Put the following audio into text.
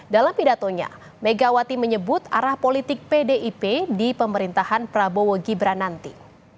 dalam pidatonya megawati menyebut arah politik pdip di pemerintahan prabowo gibran nanti